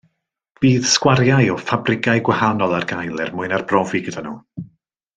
Bydd sgwariau o ffabrigau gwahanol ar gael er mwyn arbrofi gyda nhw